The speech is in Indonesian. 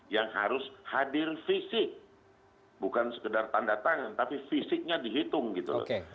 yang harus hadir fisik bukan sekedar tanda tangan tapi fisiknya dihitung gitu loh